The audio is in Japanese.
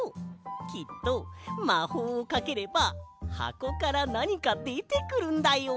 きっとまほうをかければはこからなにかでてくるんだよ。